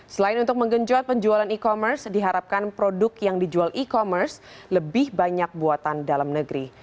selain untuk menggenjot penjualan e commerce diharapkan produk yang dijual e commerce lebih banyak buatan dalam negeri